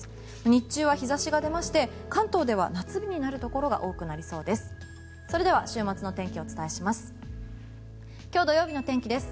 日中は日差しが出まして関東では夏日になるところが多くなりそうです。